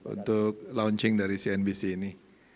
untuk launching dari cnbc ini